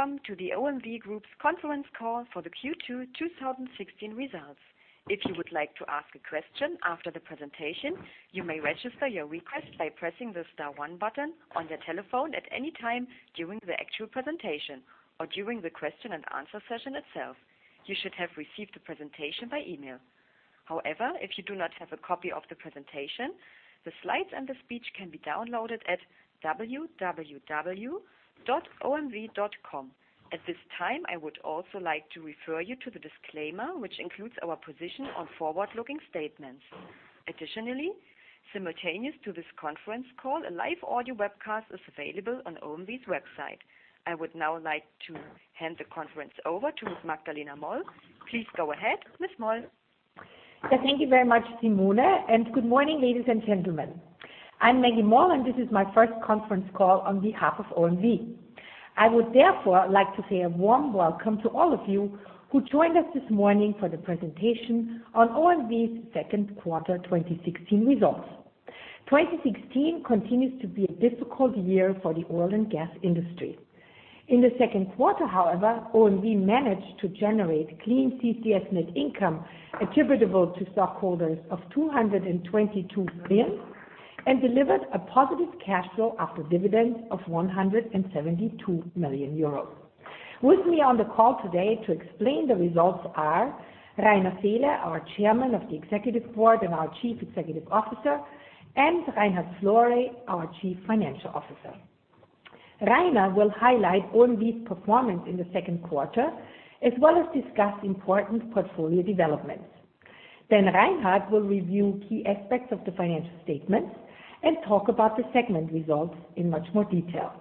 Welcome to the OMV Group's conference call for the Q2 2016 results. If you would like to ask a question after the presentation, you may register your request by pressing the star one button on your telephone at any time during the actual presentation or during the question and answer session itself. You should have received the presentation by email. However, if you do not have a copy of the presentation, the slides and the speech can be downloaded at www.omv.com. At this time, I would also like to refer you to the disclaimer, which includes our position on forward-looking statements. Additionally, simultaneous to this conference call, a live audio webcast is available on OMV's website. I would now like to hand the conference over to Magdalena Moll. Please go ahead, Ms. Moll. Thank you very much, Simone, and good morning, ladies and gentlemen. I'm Maggie Moll, and this is my first conference call on behalf of OMV. I would therefore like to say a warm welcome to all of you who joined us this morning for the presentation on OMV's second quarter 2016 results. 2016 continues to be a difficult year for the oil and gas industry. In the second quarter, however, OMV managed to generate clean CCS net income attributable to stockholders of 222 million and delivered a positive cash flow after dividends of 172 million euros. With me on the call today to explain the results are Rainer Seele, our chairman of the executive board and our chief executive officer, and Reinhard Florey, our chief financial officer. Rainer will highlight OMV's performance in the second quarter, as well as discuss important portfolio developments. Reinhard will review key aspects of the financial statements and talk about the segment results in much more detail.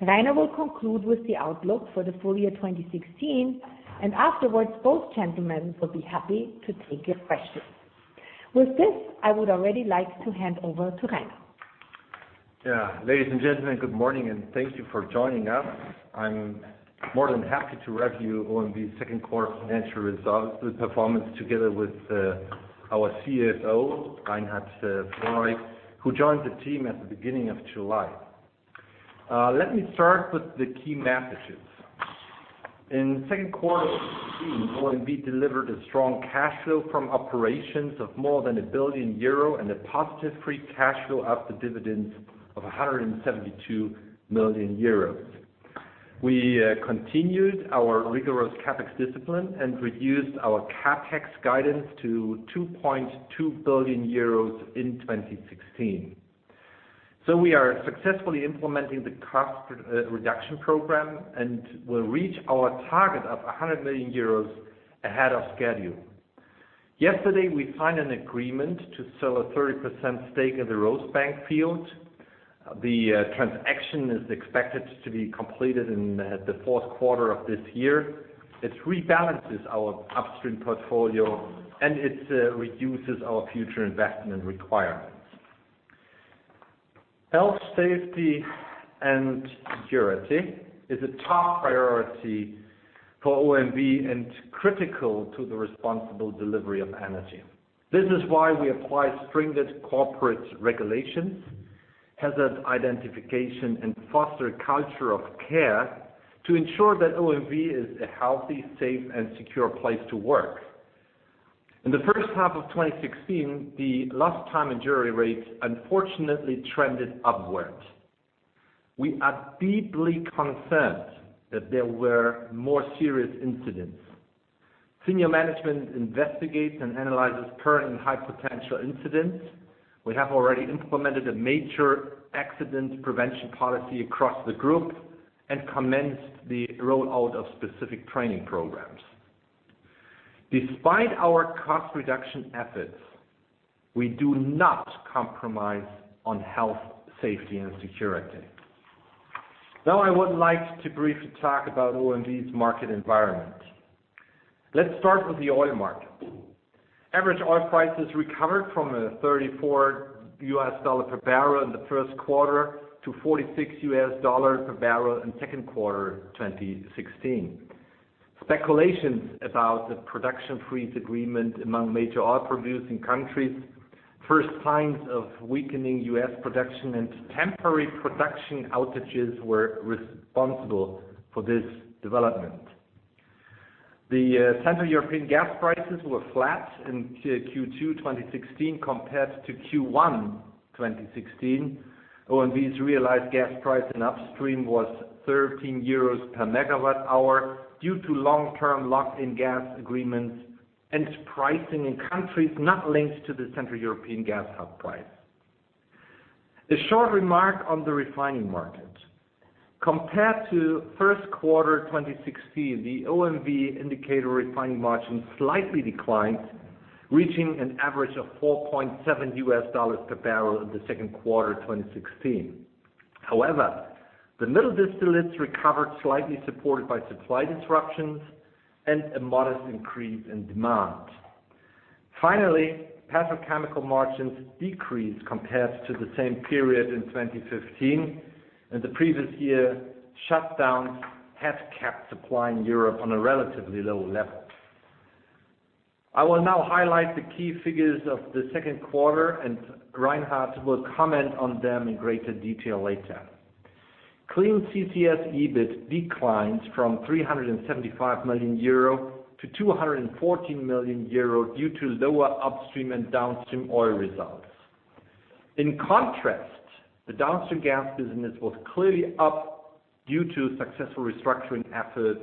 Rainer will conclude with the outlook for the full year 2016, afterwards, both gentlemen will be happy to take your questions. With this, I would already like to hand over to Rainer. Ladies and gentlemen, good morning and thank you for joining us. I'm more than happy to review OMV's second quarter financial results with performance together with our CFO, Reinhard Florey, who joined the team at the beginning of July. Let me start with the key messages. In the second quarter of 2016, OMV delivered a strong cash flow from operations of more than 1 billion euro and a positive free cash flow after dividends of 172 million euros. We continued our rigorous CapEx discipline and reduced our CapEx guidance to 2.2 billion euros in 2016. We are successfully implementing the cost reduction program and will reach our target of 100 million euros ahead of schedule. Yesterday, we signed an agreement to sell a 30% stake in the Rosebank field. The transaction is expected to be completed in the fourth quarter of this year. It rebalances our upstream portfolio and it reduces our future investment requirements. Health, safety, and security is a top priority for OMV and critical to the responsible delivery of energy. This is why we apply stringent corporate regulations, hazard identification, and foster a culture of care to ensure that OMV is a healthy, safe, and secure place to work. In the first half of 2016, the lost time injury rates unfortunately trended upwards. We are deeply concerned that there were more serious incidents. Senior management investigates and analyzes current and high potential incidents. We have already implemented a major accident prevention policy across the group and commenced the rollout of specific training programs. Despite our cost reduction efforts, we do not compromise on health, safety, and security. I would like to briefly talk about OMV's market environment. Let's start with the oil market. Average oil prices recovered from a $34 U.S. per barrel in the first quarter to $46 U.S. per barrel in second quarter 2016. Speculations about the production freeze agreement among major oil-producing countries, first signs of weakening U.S. production, and temporary production outages were responsible for this development. The Central European gas prices were flat in Q2 2016 compared to Q1 2016. OMV's realized gas price in upstream was 13 euros per megawatt hour due to long-term locked-in gas agreements and pricing in countries not linked to the Central European gas hub price. A short remark on the refining market. Compared to first quarter 2016, the OMV indicator refining margin slightly declined, reaching an average of $4.7 U.S. per barrel in the second quarter 2016. The middle distillates recovered slightly, supported by supply disruptions and a modest increase in demand. Petrochemical margins decreased compared to the same period in 2015, and the previous year shutdowns have kept supply in Europe on a relatively low level. I will now highlight the key figures of the second quarter, and Reinhard will comment on them in greater detail later. clean CCS EBIT declined from 375 million euro to 214 million euro due to lower upstream and downstream oil results. In contrast, the downstream gas business was clearly up due to successful restructuring efforts,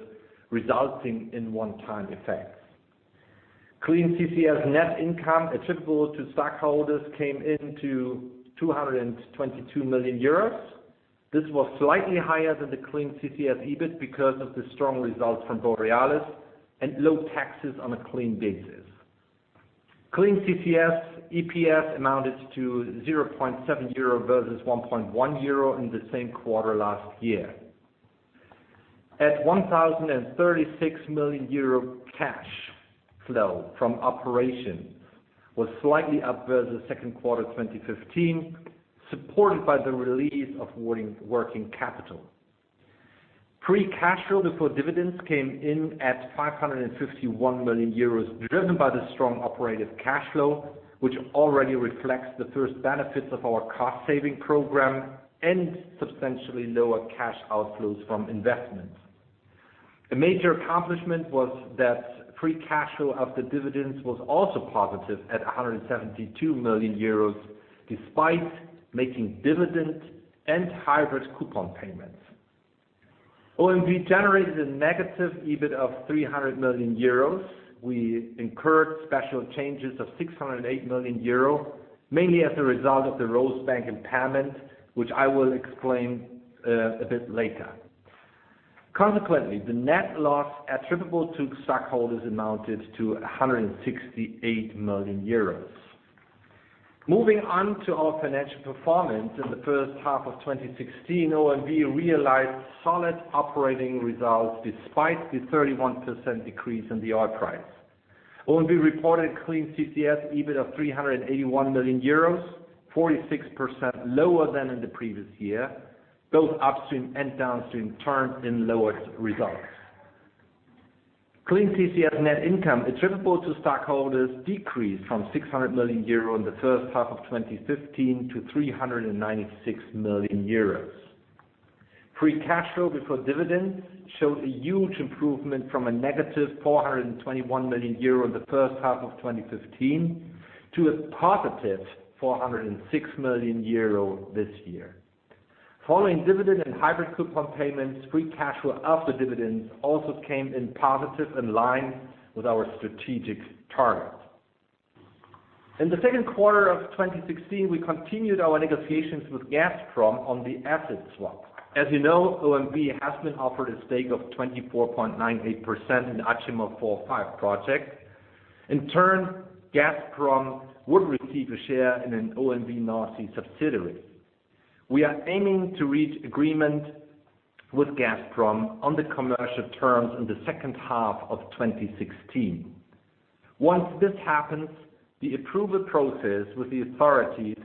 resulting in one-time effects. clean CCS net income attributable to stockholders came in to 222 million euros. This was slightly higher than the clean CCS EBIT because of the strong results from Borealis and low taxes on a clean basis. clean CCS EPS amounted to 0.7 euro versus 1.1 euro in the same quarter last year. At 1,036 million euro, cash flow from operations was slightly up versus second quarter 2015, supported by the release of working capital. Free cash flow before dividends came in at 551 million euros, driven by the strong operative cash flow, which already reflects the first benefits of our cost-saving program and substantially lower cash outflows from investments. A major accomplishment was that free cash flow after dividends was also positive at 172 million euros, despite making dividend and hybrid coupon payments. OMV generated a negative EBIT of 300 million euros. We incurred special charges of 608 million euro, mainly as a result of the Rosebank impairment, which I will explain a bit later. The net loss attributable to stockholders amounted to 168 million euros. Moving on to our financial performance in the first half of 2016, OMV realized solid operating results despite the 31% decrease in the oil price. OMV reported clean CCS EBIT of 381 million euros, 46% lower than in the previous year. Both upstream and downstream turned in lower results. clean CCS net income attributable to stockholders decreased from 600 million euro in the first half of 2015 to 396 million euros. Free cash flow before dividends showed a huge improvement from a negative 421 million euro in the first half of 2015 to a positive 406 million euro this year. Following dividend and hybrid coupon payments, free cash flow after dividends also came in positive, in line with our strategic target. In the second quarter of 2016, we continued our negotiations with Gazprom on the asset swap. As you know, OMV has been offered a stake of 24.98% in Achimov 4-5 project. In turn, Gazprom would receive a share in an OMV North Sea subsidiary. We are aiming to reach agreement with Gazprom on the commercial terms in the second half of 2016. Once this happens, the approval process with the authorities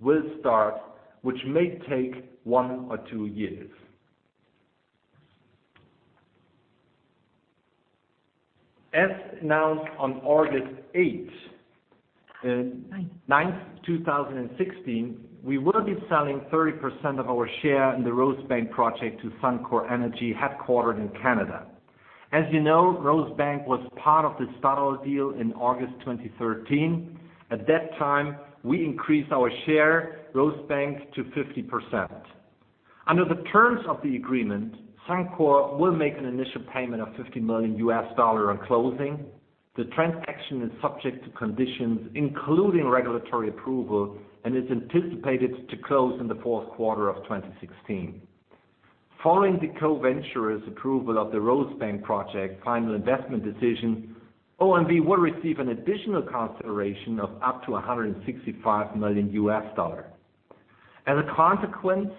will start, which may take one or two years. As announced on August 8 9. 9, 2016, we will be selling 30% of our share in the Rosebank project to Suncor Energy, headquartered in Canada. As you know, Rosebank was part of the Statoil deal in August 2013. At that time, we increased our share, Rosebank, to 50%. Under the terms of the agreement, Suncor will make an initial payment of $50 million on closing. The transaction is subject to conditions, including regulatory approval, and is anticipated to close in the fourth quarter of 2016. Following the co-venture's approval of the Rosebank project final investment decision, OMV will receive an additional consideration of up to $165 million. As a consequence,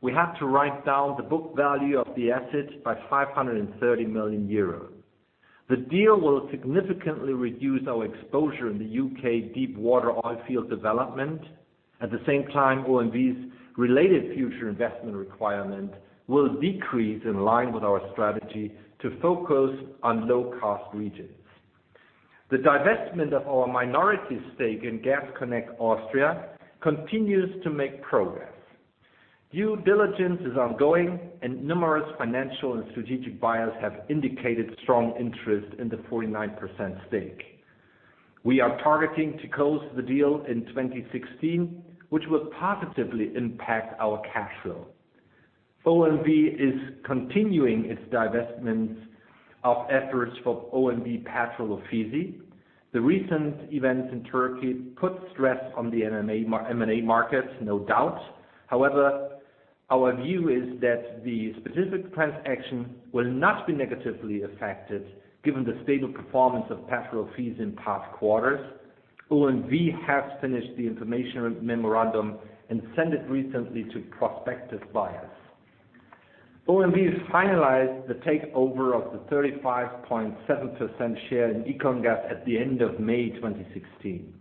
we have to write down the book value of the asset by 530 million euros. The deal will significantly reduce our exposure in the U.K. deepwater oil field development. At the same time, OMV's related future investment requirement will decrease in line with our strategy to focus on low-cost regions. The divestment of our minority stake in Gas Connect Austria continues to make progress. Due diligence is ongoing and numerous financial and strategic buyers have indicated strong interest in the 49% stake. We are targeting to close the deal in 2016, which will positively impact our cash flow. OMV is continuing its divestment of efforts for OMV Petrol Ofisi. The recent events in Turkey put stress on the M&A market, no doubt. However, our view is that the specific transaction will not be negatively affected given the stable performance of Petrol Ofisi in past quarters. OMV has finished the information memorandum and sent it recently to prospective buyers. OMV has finalized the takeover of the 35.7% share in EconGas at the end of May 2016.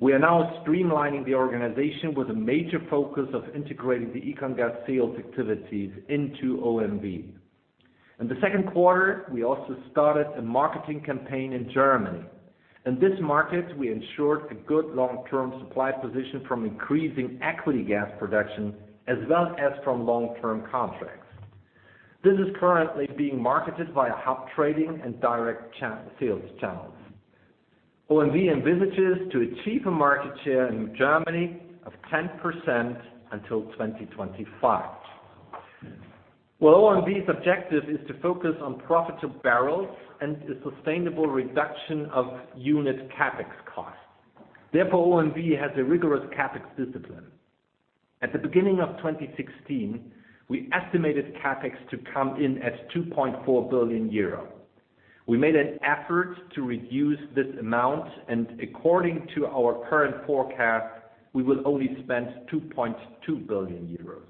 We are now streamlining the organization with a major focus on integrating the EconGas sales activities into OMV. In the second quarter, we also started a marketing campaign in Germany. In this market, we ensured a good long-term supply position from increasing equity gas production as well as from long-term contracts. This is currently being marketed by hub trading and direct sales channels. OMV envisages to achieve a market share in Germany of 10% until 2025. Well, OMV's objective is to focus on profitable barrels and the sustainable reduction of unit CapEx costs. Therefore, OMV has a rigorous CapEx discipline. At the beginning of 2016, we estimated CapEx to come in at 2.4 billion euro. We made an effort to reduce this amount, and according to our current forecast, we will only spend 2.2 billion euros.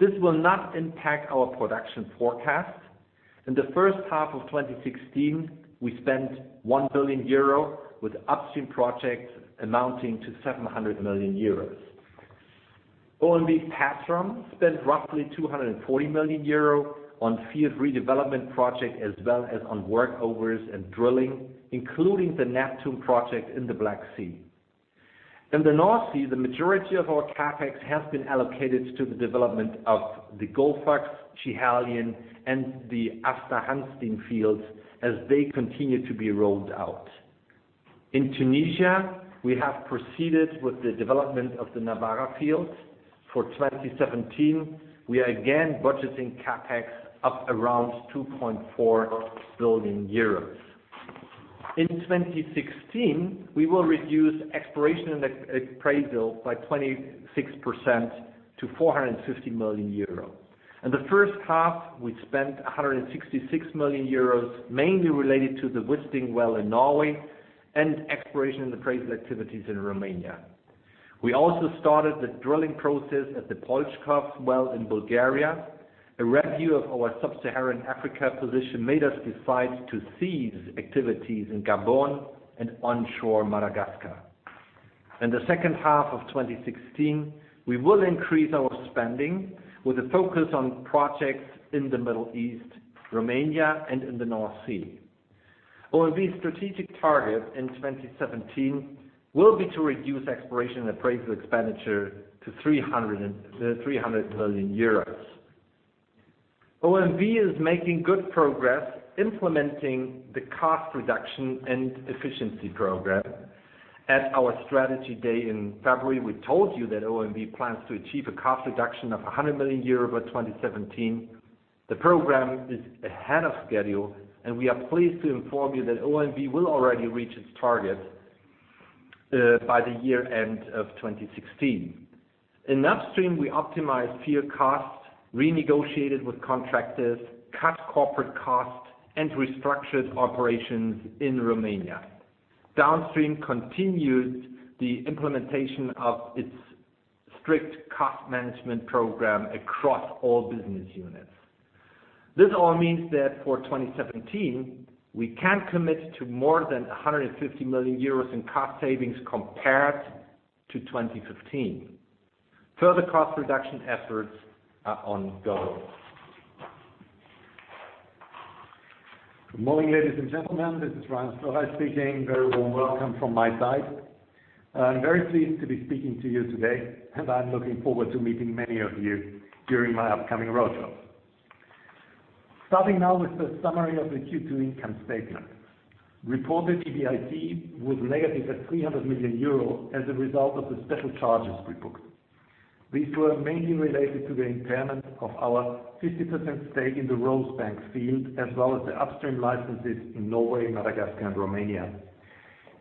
This will not impact our production forecast. In the first half of 2016, we spent 1 billion euro, with upstream projects amounting to 700 million euros. OMV Petrom spent roughly 240 million euro on field redevelopment projects as well as on workovers and drilling, including the Neptun project in the Black Sea. In the North Sea, the majority of our CapEx has been allocated to the development of the Gullfaks, Schiehallion, and the Aasta Hansteen fields as they continue to be rolled out. In Tunisia, we have proceeded with the development of the Nawara field. For 2017, we are again budgeting CapEx up around 2.4 billion euros. In 2016, we will reduce exploration and appraisal by 26% to 450 million euro. In the first half, we spent 166 million euros, mainly related to the Wisting well in Norway and exploration in appraisal activities in Romania. We also started the drilling process at the Polshkov well in Bulgaria. A review of our sub-Saharan Africa position made us decide to cease activities in Gabon and onshore Madagascar. In the second half of 2016, we will increase our spending with a focus on projects in the Middle East, Romania, and in the North Sea. OMV's strategic target in 2017 will be to reduce exploration and appraisal expenditure to 300 million euros. OMV is making good progress implementing the cost reduction and efficiency program. At our strategy day in February, we told you that OMV plans to achieve a cost reduction of 100 million euro by 2017. The program is ahead of schedule, and we are pleased to inform you that OMV will already reach its target by the year-end of 2016. In upstream, we optimized field costs, renegotiated with contractors, cut corporate costs, and restructured operations in Romania. Downstream continued the implementation of its strict cost management program across all business units. This all means that for 2017, we can commit to more than 150 million euros in cost savings compared to 2015. Further cost reduction efforts are ongoing. Good morning, ladies and gentlemen. This is Reinhard Florey speaking. A very warm welcome from my side. I'm very pleased to be speaking to you today. I'm looking forward to meeting many of you during my upcoming roadshow. Starting now with the summary of the Q2 income statement. Reported EBIT was negative at 300 million euro as a result of the special charges we booked. These were mainly related to the impairment of our 50% stake in the Rosebank field, as well as the upstream licenses in Norway, Madagascar, and Romania.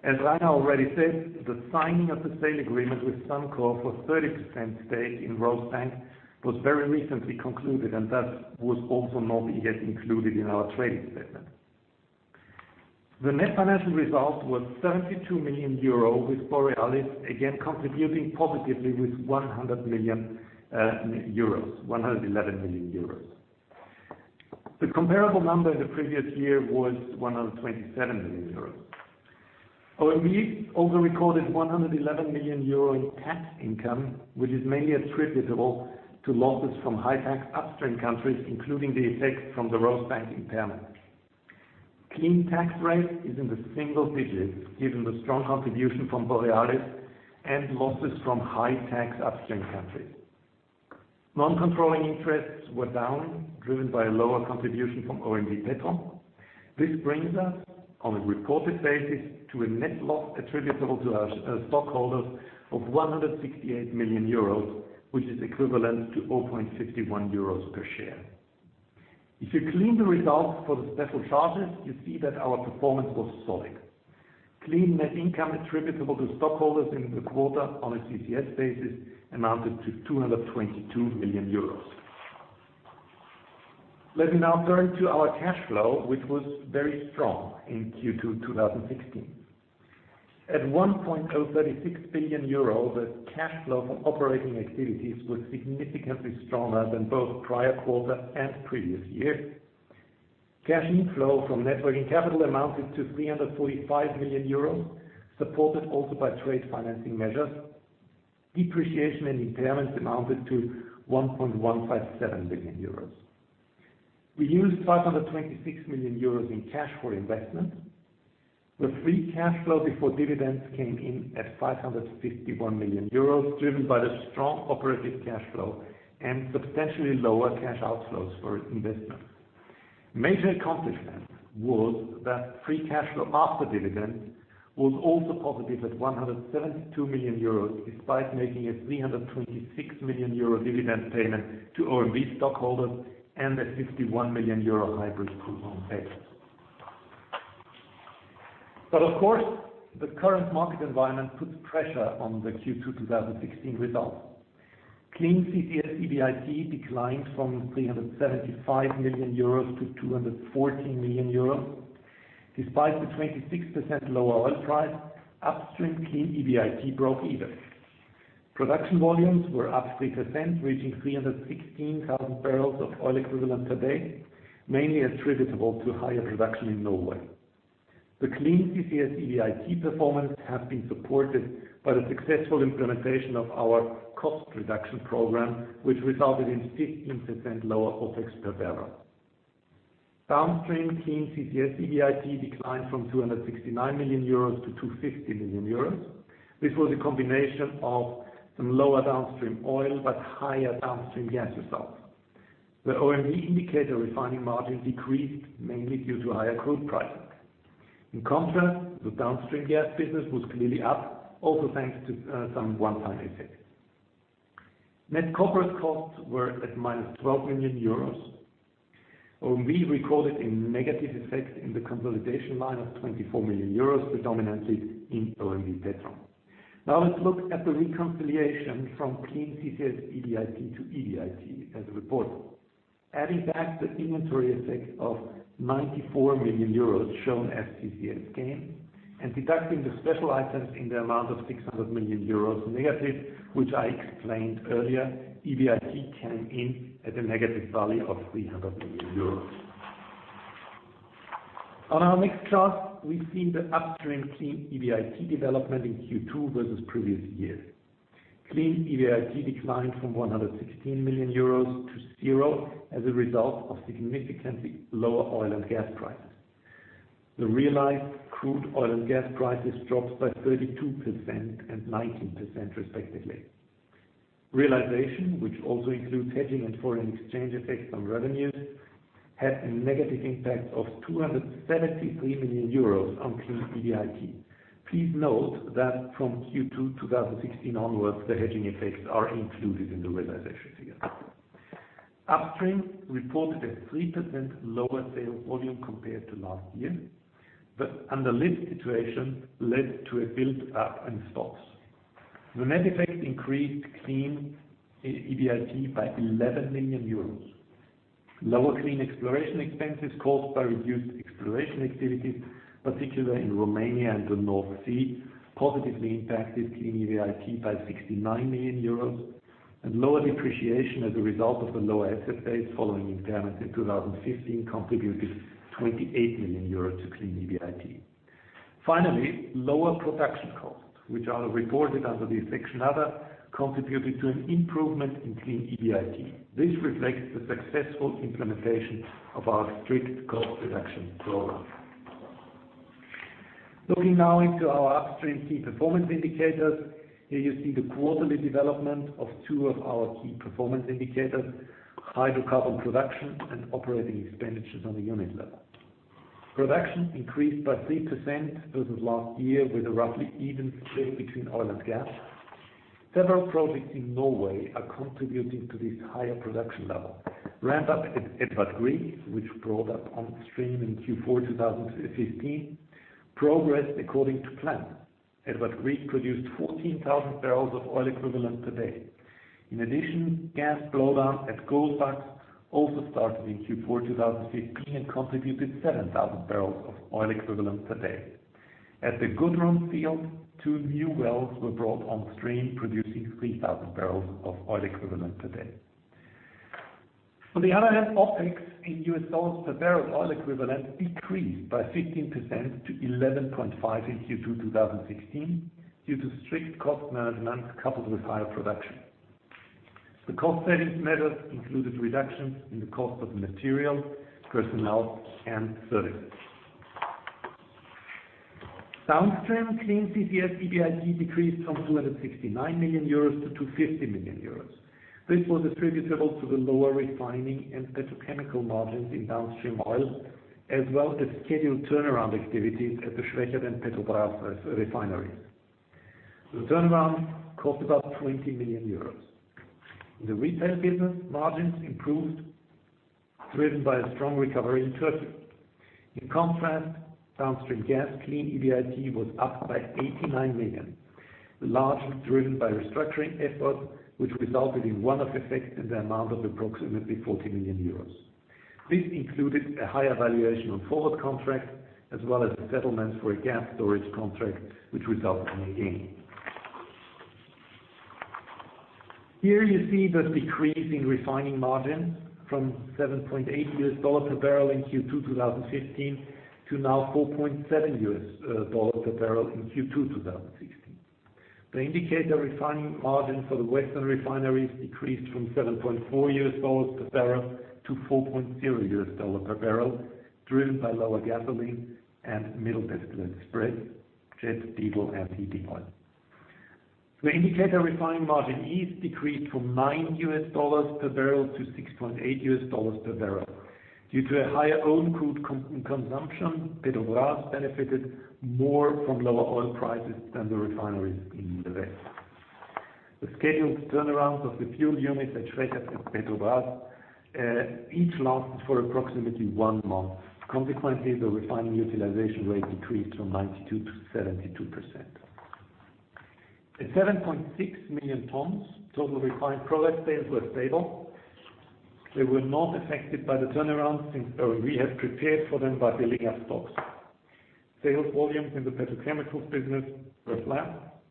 As Rainer already said, the signing of the sale agreement with Suncor for a 30% stake in Rosebank was very recently concluded. That was also not yet included in our trading statement. The net financial result was 72 million euro, with Borealis again contributing positively with 111 million euros. The comparable number in the previous year was 127 million euros. OMV also recorded 111 million euro in tax income, which is mainly attributable to losses from high-tax upstream countries, including the effect from the Rosebank impairment. Clean tax rate is in the single digits, given the strong contribution from Borealis and losses from high-tax upstream countries. Non-controlling interests were down, driven by a lower contribution from OMV Petrom. This brings us, on a reported basis, to a net loss attributable to our stockholders of 168 million euros, which is equivalent to 0.51 euros per share. If you clean the results for the special charges, you see that our performance was solid. Clean net income attributable to stockholders in the quarter on a CCS basis amounted to 222 million euros. Let me now turn to our cash flow, which was very strong in Q2 2016. At 1.036 billion euro, the cash flow from operating activities was significantly stronger than both the prior quarter and previous year. Cash inflow from net working capital amounted to 345 million euros, supported also by trade financing measures. Depreciation and impairments amounted to 1.157 billion euros. We used 526 million euros in cash for investment. The free cash flow before dividends came in at 551 million euros, driven by the strong operative cash flow and substantially lower cash outflows for investment. Major accomplishment was that free cash flow after dividends was also positive at 172 million euros, despite making a 326 million euro dividend payment to OMV stockholders and a 51 million euro hybrid coupon payment. Of course, the current market environment puts pressure on the Q2 2016 results. Clean CCS EBIT declined from 375 million euros to 214 million euros. Despite the 26% lower oil price, upstream clean EBIT broke even. Production volumes were up 3%, reaching 316,000 barrels of oil equivalent per day, mainly attributable to higher production in Norway. The clean CCS EBIT performance has been supported by the successful implementation of our cost reduction program, which resulted in 15% lower OpEx per barrel. Downstream clean CCS EBIT declined from 269 million euros to 250 million euros. This was a combination of some lower downstream oil, but higher downstream gas results. The OMV indicator refining margin decreased mainly due to higher crude prices. In contrast, the downstream gas business was clearly up, also thanks to some one-time effects. Net corporate costs were at minus 12 million euros. OMV recorded a negative effect in the consolidation line of 24 million euros, predominantly in OMV Petrol. Let's look at the reconciliation from clean CCS EBIT to EBIT as reported. Adding back the inventory effect of 94 million euros shown as CCS gain and deducting the special items in the amount of 600 million euros negative, which I explained earlier, EBIT came in at a negative value of 300 million euros. On our next chart, we see the upstream clean CCS EBIT development in Q2 versus previous years. Clean CCS EBIT declined from 116 million euros to zero as a result of significantly lower oil and gas prices. The realized crude oil and gas prices dropped by 32% and 19% respectively. Realization, which also includes hedging and foreign exchange effects on revenues, had a negative impact of 273 million euros on clean CCS EBIT. Please note that from Q2 2016 onwards, the hedging effects are included in the realization figure. Upstream reported a 3% lower sale volume compared to last year, but under this situation led to a build-up in stocks. The net effect increased clean CCS EBIT by 11 million euros. Lower clean exploration expenses caused by reduced exploration activities, particularly in Romania and the North Sea, positively impacted clean CCS EBIT by 69 million euros, and lower depreciation as a result of a lower asset base following impairments in 2015 contributed 28 million euros to clean CCS EBIT. Finally, lower production costs, which are reported under the section other, contributed to an improvement in clean CCS EBIT. This reflects the successful implementation of our strict cost reduction program. Looking now into our upstream key performance indicators. Here you see the quarterly development of two of our key performance indicators, hydrocarbon production and operating expenditures on a unit level. Production increased by 3% versus last year with a roughly even split between oil and gas. Several projects in Norway are contributing to this higher production level. Ramp-up at Edvard Grieg, which brought up on stream in Q4 2015, progressed according to plan. Edvard Grieg produced 14,000 barrels of oil equivalent per day. In addition, gas flow down at Goliat also started in Q4 2015 and contributed 7,000 barrels of oil equivalent per day. At the Gudrun field, two new wells were brought on stream, producing 3,000 barrels of oil equivalent per day. On the other hand, OpEx in US dollars per barrel oil equivalent decreased by 15% to $11.5 in Q2 2016 due to strict cost management coupled with higher production. The cost savings measures included reductions in the cost of material, personnel, and services. Downstream clean CCS EBIT decreased from 269 million euros to 250 million euros. This was attributable to the lower refining and petrochemical margins in downstream oil, as well as scheduled turnaround activities at the Schwechat and Petrobrazi refineries. The turnaround cost about 20 million euros. In the retail business, margins improved, driven by a strong recovery in Turkey. In contrast, downstream gas clean CCS EBIT was up by 89 million, largely driven by restructuring efforts, which resulted in one-off effects in the amount of approximately 40 million euros. This included a higher valuation on forward contracts as well as a settlement for a gas storage contract, which resulted in a gain. Here you see the decrease in refining margin from $7.80 per barrel in Q2 2015 to now $4.70 per barrel in Q2 2016. The indicator refining margin for the western refineries decreased from $7.40 per barrel to $4.00 per barrel, driven by lower gasoline and middle distillate spreads, jet, diesel, and heating oil. The indicator refining margin east decreased from $9 per barrel to $6.80 per barrel. Due to a higher own crude consumption, Petrobrazi benefited more from lower oil prices than the refineries in the West. The scheduled turnarounds of the fuel unit at Schwechat and Petrobrazi, each lasted for approximately one month. Consequently, the refining utilization rate decreased from 92% to 72%. At 7.6 million tons, total refined product sales were stable. They were not affected by the turnaround since OMV had prepared for them by building up stocks. Sales volume in the petrochemical business were flat.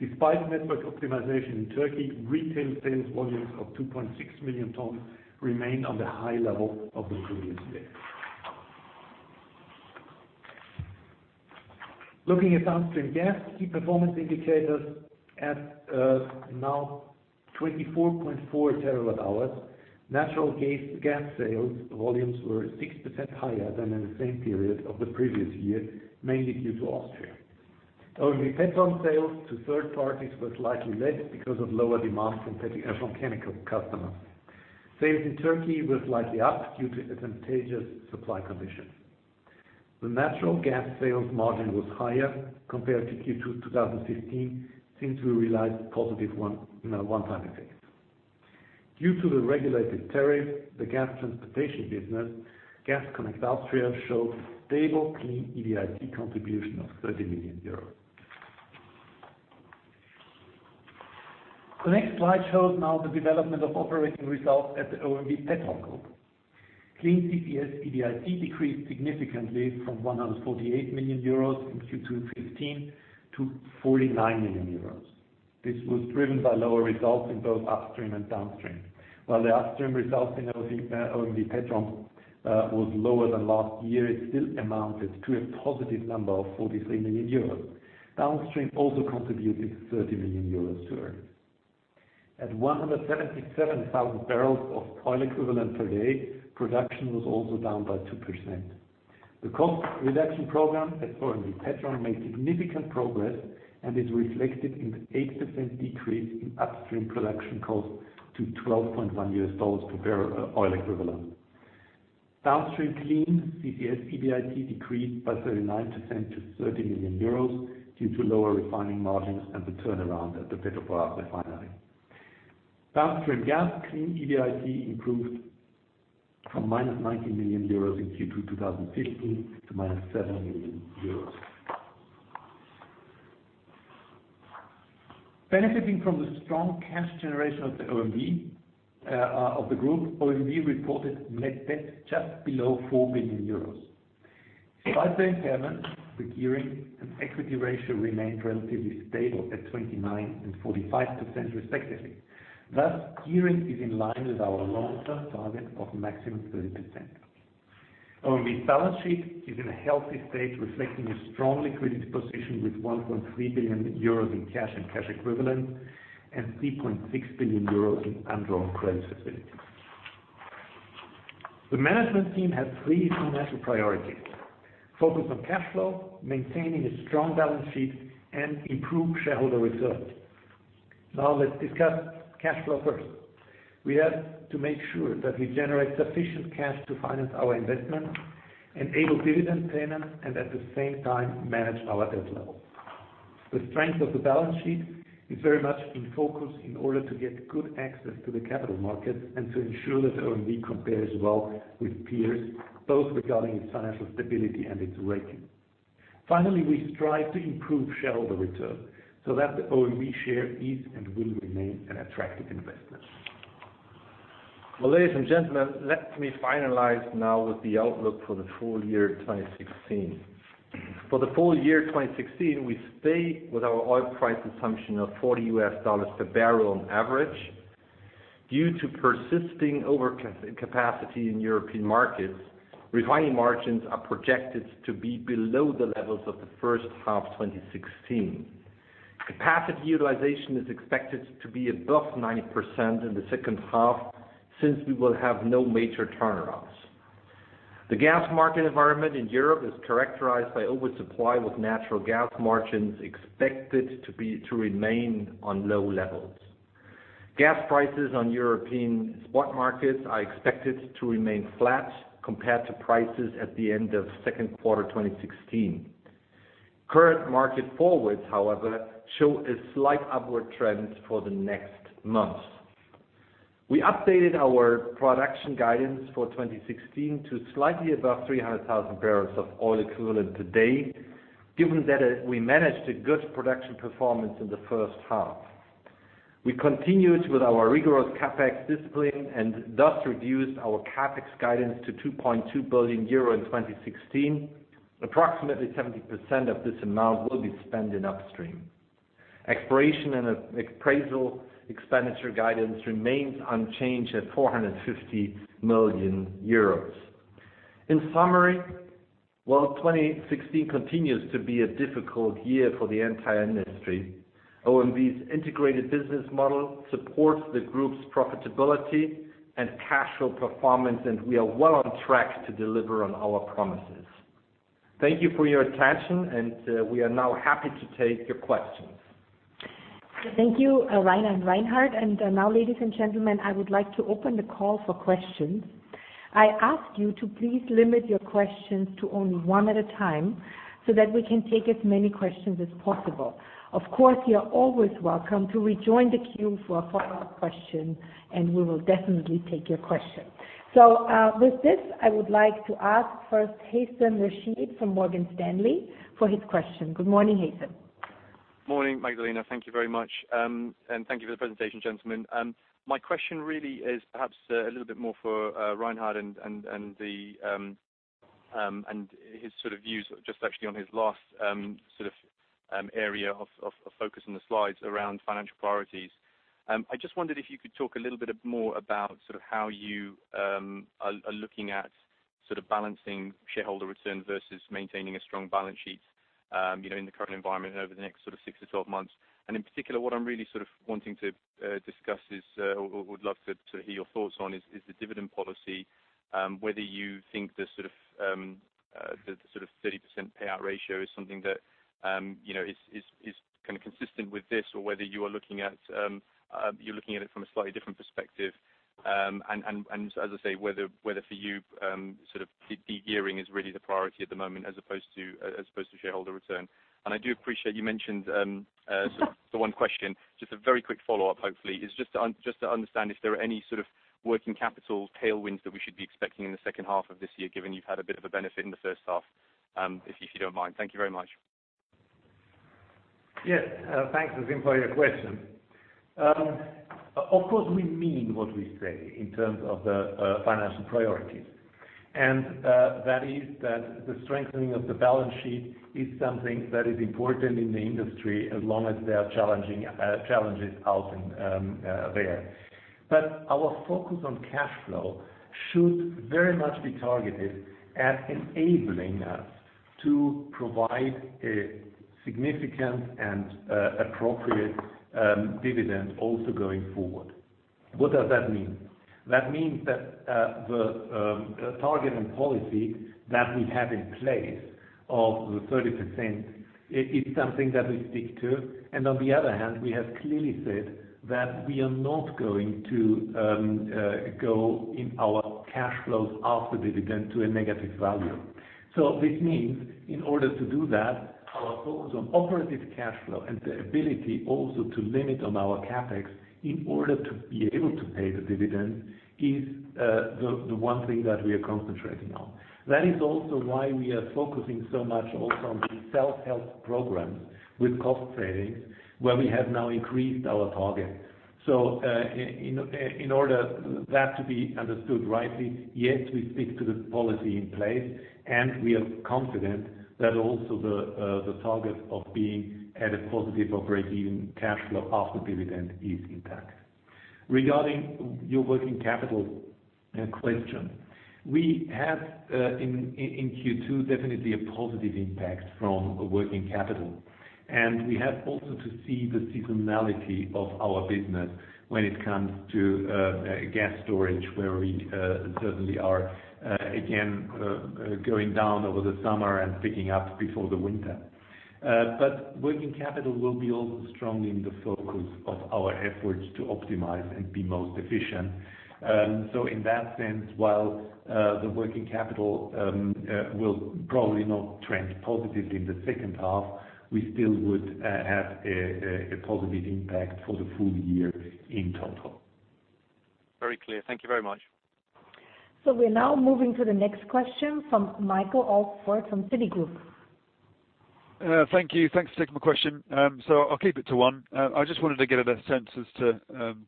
Despite network optimization in Turkey, retail sales volumes of 2.6 million tons remained on the high level of the previous year. Looking at downstream gas key performance indicators, at now 24.4 terawatt-hours, natural gas sales volumes were 6% higher than in the same period of the previous year, mainly due to Austria. OMV Petrom sales to third parties was slightly less because of lower demand from petrochemical customers. Sales in Turkey were slightly up due to advantageous supply conditions. The natural gas sales margin was higher compared to Q2 2015, since we realized positive one-time effects. Due to the regulated tariff, the gas transportation business, Gas Connect Austria, showed stable clean EBIT contribution of EUR 30 million. The next slide shows now the development of operating results at the OMV Petrom Group. Clean CCS EBIT decreased significantly from 148 million euros in Q2 2015 to 49 million euros. This was driven by lower results in both upstream and downstream. While the upstream results in OMV Petrom was lower than last year, it still amounted to a positive number of 43 million euros. Downstream also contributed 30 million euros to earnings. At 177,000 barrels of oil equivalent per day, production was also down by 2%. The cost reduction program at OMV Petrom made significant progress and is reflected in the 8% decrease in upstream production cost to $12.10 per oil equivalent. Downstream clean CCS EBIT decreased by 39% to 30 million euros due to lower refining margins and the turnaround at the Petrobrazi refinery. Downstream gas clean EBIT improved from -19 million euros in Q2 2015 to -7 million euros. Benefiting from the strong cash generation of the group, OMV reported net debt just below 4 billion euros. Despite the impairment, the gearing and equity ratio remained relatively stable at 29% and 45% respectively. Thus, gearing is in line with our long-term target of maximum 30%. OMV balance sheet is in a healthy state, reflecting a strong liquidity position with 1.3 billion euros in cash and cash equivalents and 3.6 billion euros in undrawn credit facilities. The management team has three key financial priorities. Focus on cash flow, maintaining a strong balance sheet, and improve shareholder returns. Now let's discuss cash flow first. We have to make sure that we generate sufficient cash to finance our investments, enable dividend payment, and at the same time, manage our debt level. The strength of the balance sheet is very much in focus in order to get good access to the capital markets and to ensure that OMV compares well with peers, both regarding its financial stability and its rating. Finally, we strive to improve shareholder return so that the OMV share is and will remain an attractive investment. Well, ladies and gentlemen, let me finalize now with the outlook for the full year 2016. For the full year 2016, we stay with our oil price assumption of $40 per barrel on average. Due to persisting overcapacity in European markets, refining margins are projected to be below the levels of the first half 2016. Capacity utilization is expected to be above 90% in the second half, since we will have no major turnarounds. The gas market environment in Europe is characterized by oversupply with natural gas margins expected to remain on low levels. Gas prices on European spot markets are expected to remain flat compared to prices at the end of second quarter 2016. Current market forwards, however, show a slight upward trend for the next months. We updated our production guidance for 2016 to slightly above 300,000 barrels of oil equivalent a day, given that we managed a good production performance in the first half. We continued with our rigorous CapEx discipline and thus reduced our CapEx guidance to 2.2 billion euro in 2016. Approximately 70% of this amount will be spent in upstream. Exploration and appraisal expenditure guidance remains unchanged at 450 million euros. In summary, while 2016 continues to be a difficult year for the entire industry, OMV's integrated business model supports the group's profitability and cash flow performance. We are well on track to deliver on our promises. Thank you for your attention. We are now happy to take your questions. Thank you, Rainer and Reinhard. Now, ladies and gentlemen, I would like to open the call for questions. I ask you to please limit your questions to only one at a time so that we can take as many questions as possible. Of course, you are always welcome to rejoin the queue for a follow-up question. We will definitely take your question. With this, I would like to ask first Haythem Rashed from Morgan Stanley for his question. Good morning, Haythem Morning, Magdalena. Thank you very much. Thank you for the presentation, gentlemen. My question really is perhaps a little bit more for Reinhard and his views just actually on his last area of focus on the slides around financial priorities. I just wondered if you could talk a little bit more about how you are looking at balancing shareholder return versus maintaining a strong balance sheet in the current environment over the next six to 12 months. In particular, what I'm really wanting to discuss is, or would love to hear your thoughts on, is the dividend policy, whether you think the sort of 30% payout ratio is something that is consistent with this or whether you are looking at it from a slightly different perspective. As I say, whether for you, de-gearing is really the priority at the moment as opposed to shareholder return. I do appreciate you mentioned the one question. A very quick follow-up, hopefully, is to understand if there are any sort of working capital tailwinds that we should be expecting in the second half of this year, given you've had a bit of a benefit in the first half. If you don't mind. Thank you very much. Yes. Thanks, Haythem, for your question. Of course, we mean what we say in terms of the financial priorities, and that is that the strengthening of the balance sheet is something that is important in the industry as long as there are challenges out there. Our focus on cash flow should very much be targeted at enabling us to provide a significant and appropriate dividend also going forward. What does that mean? That means that the target and policy that we have in place of the 30%, it is something that we stick to. On the other hand, we have clearly said that we are not going to go in our cash flows after dividend to a negative value. This means in order to do that, our focus on operating cash flow and the ability also to limit on our CapEx in order to be able to pay the dividend is the one thing that we are concentrating on. That is also why we are focusing so much also on the self-help programs with cost savings, where we have now increased our target. In order that to be understood rightly, yes, we stick to the policy in place, and we are confident that also the target of being at a positive operating cash flow after dividend is intact. Regarding your working capital question, we have, in Q2, definitely a positive impact from working capital. We have also to see the seasonality of our business when it comes to gas storage, where we certainly are again, going down over the summer and picking up before the winter. Working capital will be also strongly in the focus of our efforts to optimize and be most efficient. In that sense, while the working capital will probably not trend positively in the second half, we still would have a positive impact for the full year in total. Very clear. Thank you very much. We are now moving to the next question from Michael Alsford from Citigroup. Thank you. Thanks for taking my question. I'll keep it to one. I just wanted to get a better sense as to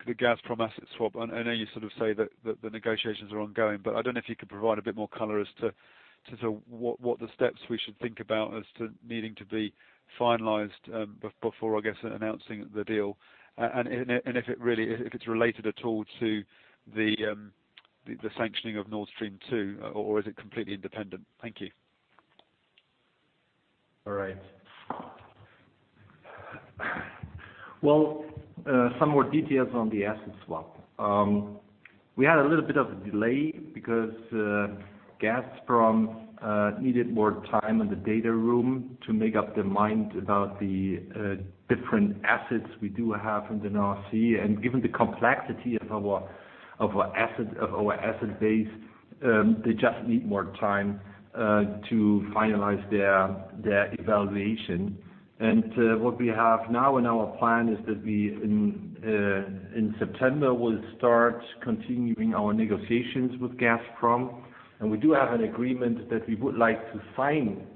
the Gazprom asset swap. I know you sort of say that the negotiations are ongoing, but I don't know if you could provide a bit more color as to what the steps we should think about as to needing to be finalized before, I guess, announcing the deal, and if it's related at all to the sanctioning of Nord Stream 2, or is it completely independent? Thank you. All right. Well, some more details on the asset swap. We had a little bit of a delay because Gazprom needed more time in the data room to make up their mind about the different assets we do have in the North Sea. Given the complexity of our asset base, they just need more time to finalize their evaluation. What we have now in our plan is that we, in September, will start continuing our negotiations with Gazprom. We do have an agreement that we would like to sign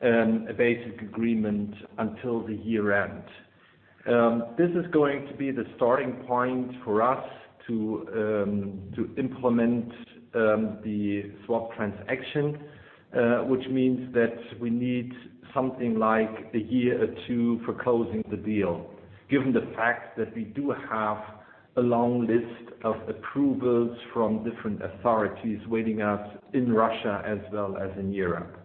a basic agreement until the year-end. This is going to be the starting point for us to implement the swap transaction, which means that we need something like a year or two for closing the deal, given the fact that we do have a long list of approvals from different authorities waiting us in Russia as well as in Europe.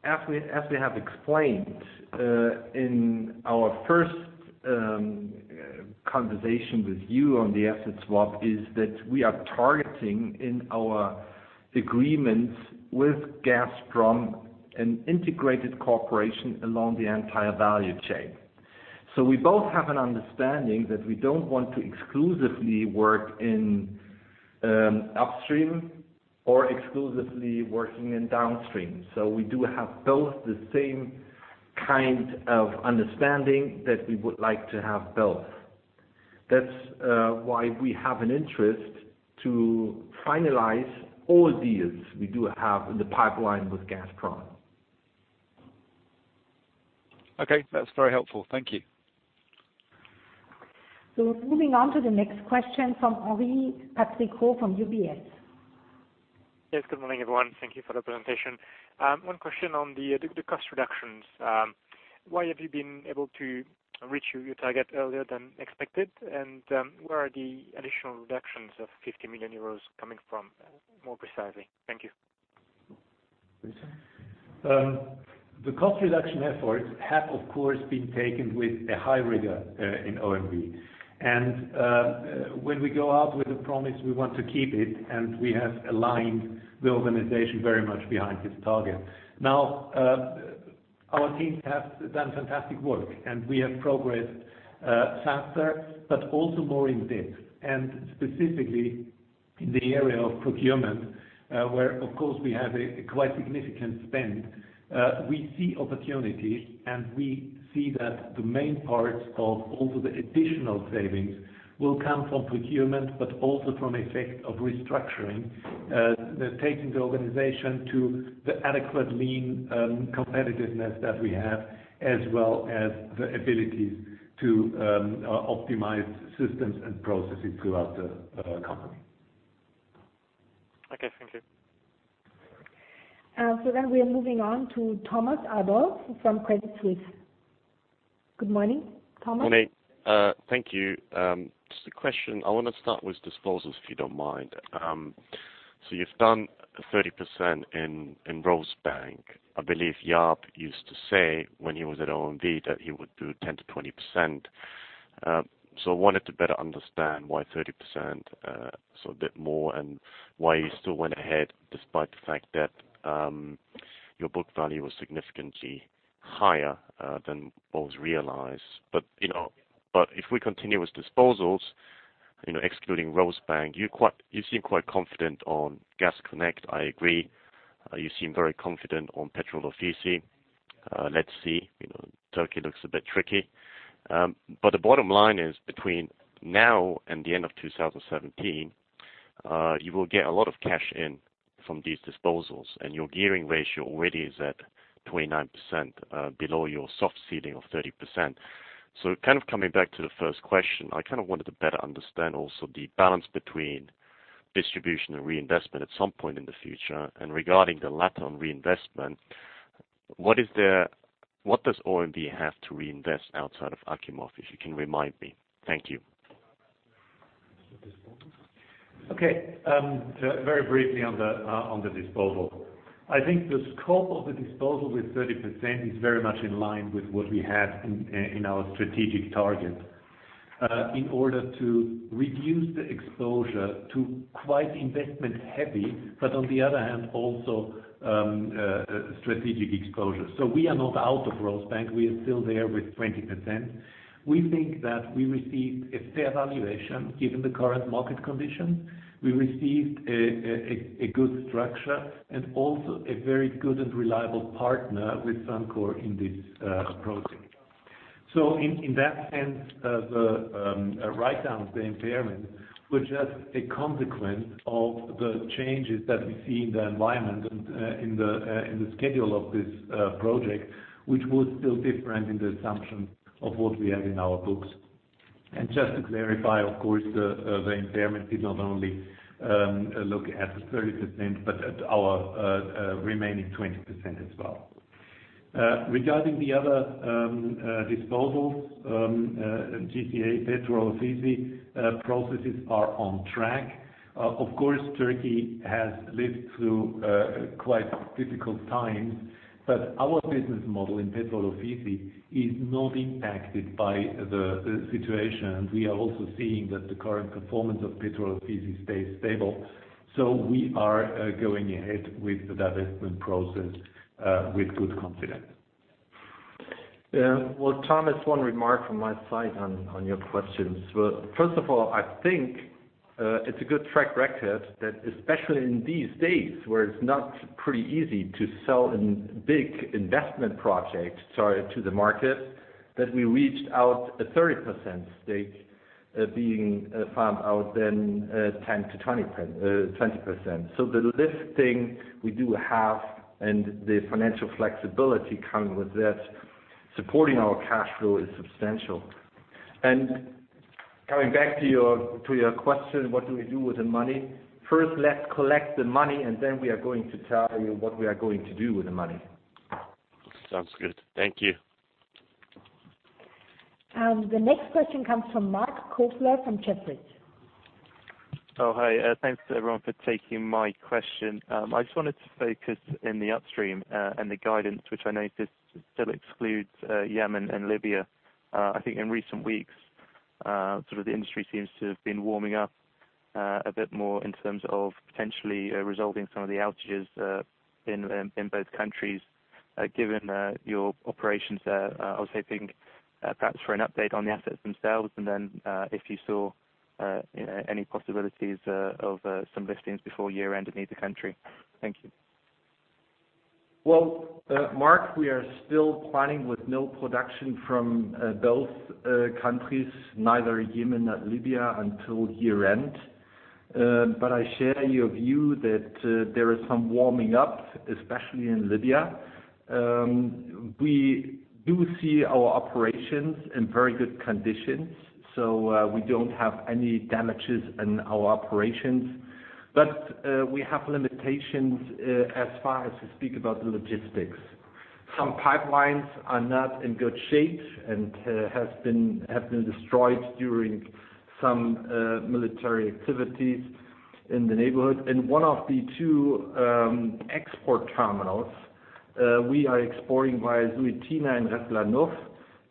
As we have explained in our first conversation with you on the asset swap, is that we are targeting in our agreements with Gazprom an integrated cooperation along the entire value chain. We both have an understanding that we don't want to exclusively work in upstream or exclusively working in downstream. We do have both the same kind of understanding that we would like to have both. That's why we have an interest to finalize all deals we do have in the pipeline with Gazprom. Okay. That's very helpful. Thank you. Moving on to the next question from Henri Patricot from UBS. Yes. Good morning, everyone. Thank you for the presentation. One question on the cost reductions. Why have you been able to reach your target earlier than expected? Where are the additional reductions of 50 million euros coming from, more precisely? Thank you. The cost reduction efforts have, of course, been taken with a high rigor in OMV. When we go out with a promise, we want to keep it, and we have aligned the organization very much behind this target. Our teams have done fantastic work, and we have progressed faster, but also more in depth. Specifically in the area of procurement, where, of course, we have a quite significant spend. We see opportunities, and we see that the main parts of also the additional savings will come from procurement, but also from effect of restructuring, taking the organization to the adequate lean competitiveness that we have, as well as the abilities to optimize systems and processes throughout the company. Okay, thank you. We are moving on to Thomas Adolff from Credit Suisse. Good morning, Thomas. Morning. Thank you. Just a question. I want to start with disposals, if you don't mind. You've done 30% in Rosebank. I believe Jaap used to say when he was at OMV, that he would do 10%-20%. I wanted to better understand why 30%, a bit more, and why you still went ahead despite the fact that your book value was significantly higher than what was realized. If we continue with disposals, excluding Rosebank, you seem quite confident on Gas Connect, I agree. You seem very confident on Petrol Ofisi. Let's see. Turkey looks a bit tricky. The bottom line is between now and the end of 2017, you will get a lot of cash in from these disposals, and your gearing ratio already is at 29%, below your soft seeding of 30%. Coming back to the first question, I wanted to better understand also the balance between distribution and reinvestment at some point in the future. Regarding the latter on reinvestment, what does OMV have to reinvest outside of Achimov, if you can remind me? Thank you. Okay. Very briefly on the disposal. I think the scope of the disposal with 30% is very much in line with what we have in our strategic target in order to reduce the exposure to quite investment-heavy, but on the other hand, also strategic exposure. We are not out of Rosebank. We are still there with 20%. We think that we received a fair valuation given the current market condition. We received a good structure and also a very good and reliable partner with Suncor in this project. In that sense, the write-down of the impairment was just a consequence of the changes that we see in the environment and in the schedule of this project, which was still different in the assumption of what we have in our books. Just to verify, of course, the impairment did not only look at the 30%, but at our remaining 20% as well. Regarding the other disposals, GCA, Petrol Ofisi, processes are on track. Of course, Turkey has lived through quite difficult times, but our business model in Petrol Ofisi is not impacted by the situation. We are also seeing that the current performance of Petrol Ofisi stays stable. We are going ahead with that investment process with good confidence. Well, Thomas, one remark from my side on your questions. First of all, I think it's a good track record that especially in these days where it's not pretty easy to sell a big investment project to the market, that we reached out a 30% stake. Being farmed out than 10%-20%. The listing we do have and the financial flexibility coming with that, supporting our cash flow is substantial. Coming back to your question, what do we do with the money? First, let's collect the money, then we are going to tell you what we are going to do with the money. Sounds good. Thank you. The next question comes from Marc Kofler from Jefferies. Hi. Thanks everyone for taking my question. I just wanted to focus in the upstream and the guidance, which I notice still excludes Yemen and Libya. I think in recent weeks, the industry seems to have been warming up a bit more in terms of potentially resolving some of the outages in both countries. Given your operations there, I was hoping perhaps for an update on the assets themselves and then if you saw any possibilities of some listings before year-end in either country. Thank you. Well, Marc, we are still planning with no production from both countries, neither Yemen nor Libya, until year-end. I share your view that there is some warming up, especially in Libya. We do see our operations in very good conditions. We don't have any damages in our operations. We have limitations as far as to speak about the logistics. Some pipelines are not in good shape and have been destroyed during some military activities in the neighborhood. One of the two export terminals, we are exploring Zueitina and Ras Lanuf.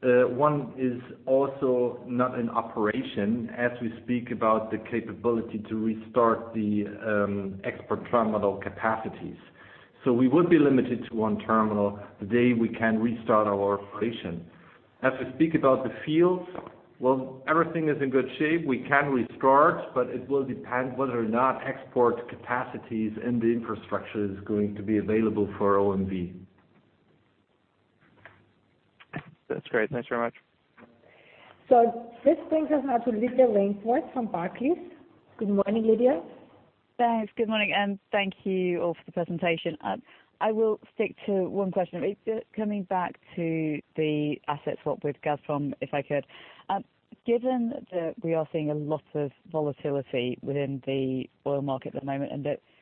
One is also not in operation as we speak about the capability to restart the export terminal capacities. We would be limited to one terminal the day we can restart our operation. As we speak about the fields, well, everything is in good shape. We can restart, it will depend whether or not export capacities in the infrastructure is going to be available for OMV. That's great. Thanks very much. This brings us now to Lydia Rainforth from Barclays. Good morning, Lydia. Thanks. Good morning, thank you all for the presentation. I will stick to one question. Coming back to the assets swap with Gazprom, if I could. Given that we are seeing a lot of volatility within the oil market at the moment, and that in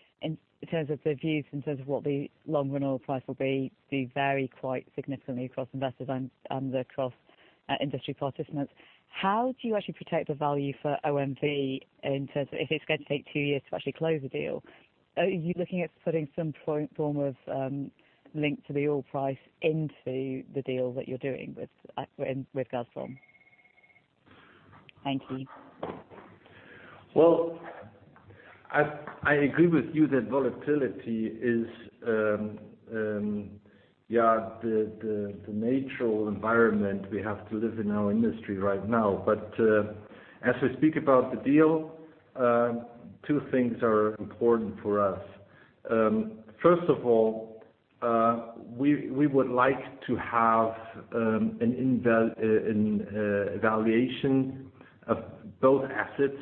terms of the views in terms of what the long run oil price will be, do vary quite significantly across investors and across industry participants, how do you actually protect the value for OMV in terms of if it's going to take two years to actually close the deal? Are you looking at putting some form of link to the oil price into the deal that you're doing with Gazprom? Thank you. Well, I agree with you that volatility is the natural environment we have to live in our industry right now. As we speak about the deal, two things are important for us. First of all, we would like to have an evaluation of both assets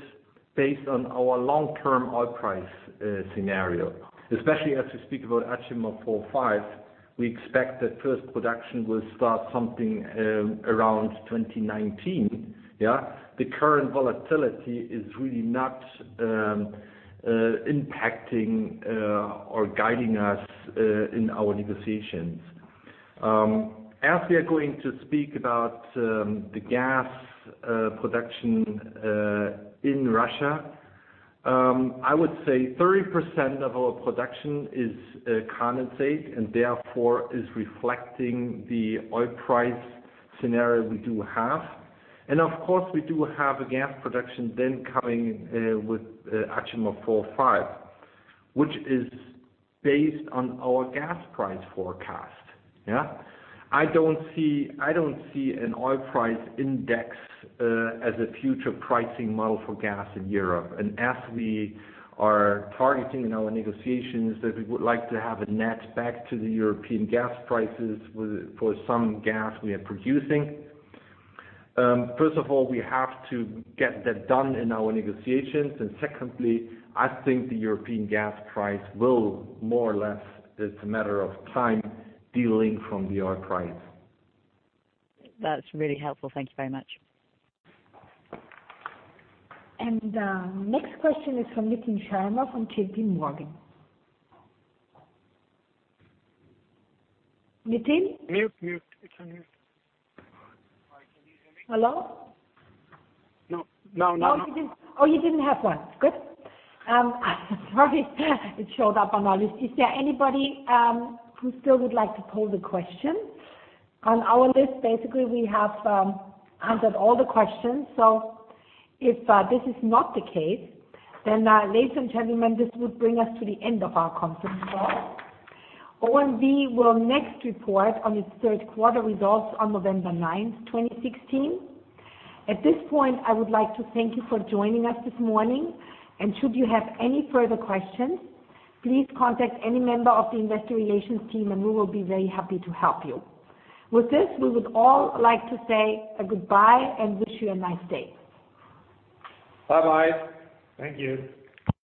based on our long-term oil price scenario. Especially as we speak about Achimov-4, 5, we expect that first production will start something around 2019. The current volatility is really not impacting or guiding us in our negotiations. As we are going to speak about the gas production in Russia, I would say 30% of our production is condensate and therefore is reflecting the oil price scenario we do have. Of course, we do have a gas production then coming with Achimov-4, 5, which is based on our gas price forecast. I don't see an oil price index as a future pricing model for gas in Europe. As we are targeting in our negotiations that we would like to have a net back to the European gas prices for some gas we are producing. First of all, we have to get that done in our negotiations. Secondly, I think the European gas price will more or less, it's a matter of time, de-link from the oil price. That's really helpful. Thank you very much. Next question is from Nitin Sharma from JP Morgan. Nitin? Mute. It's on mute. Hi, can you hear me? Hello? No. You didn't have one. Good. Sorry. It showed up on our list. Is there anybody who still would like to pose a question? On our list, basically, we have answered all the questions. If this is not the case, then ladies and gentlemen, this would bring us to the end of our conference call. OMV will next report on its third quarter results on November 9th, 2016. At this point, I would like to thank you for joining us this morning. Should you have any further questions, please contact any member of the investor relations team, and we will be very happy to help you. With this, we would all like to say goodbye and wish you a nice day. Bye-bye. Thank you.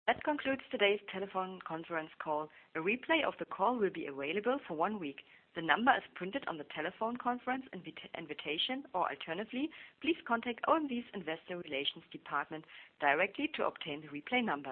That concludes today's telephone conference call. A replay of the call will be available for one week. The number is printed on the telephone conference invitation or alternatively, please contact OMV's investor relations department directly to obtain the replay number